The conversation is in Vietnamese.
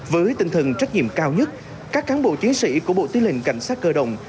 với tinh thần trách nhiệm cao nhất các cán bộ chiến sĩ của bộ tư lệnh cảnh sát cơ động